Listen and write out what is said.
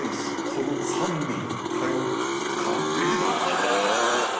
この三位一体完璧だ！